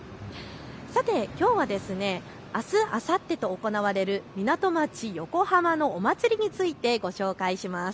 さて、きょうはあす、あさってと行われる港町横浜のお祭りについてご紹介します。